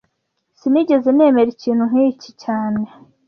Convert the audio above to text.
Sinigeze nemera ikintu nk'iki cyane